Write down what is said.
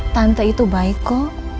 tante itu baik kok